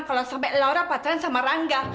kalo sampe laura pacaran sama rangga